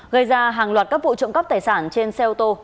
gây ra hàng loạt các vụ trộm cắp tài sản trên xe ô tô